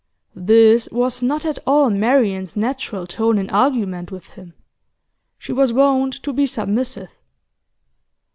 This was not at all Marian's natural tone in argument with him. She was wont to be submissive.